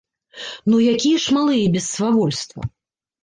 Ну, якія ж малыя без свавольства!